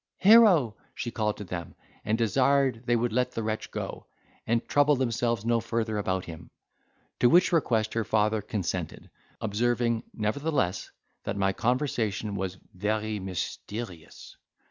Here she called to them, and desired they would let the wretch go, and trouble themselves no further about him. To which request her father consented, observing, nevertheless, that my conversation was 'very mysterious.